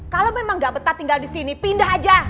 kalau memang gak betah tinggal disini pindah aja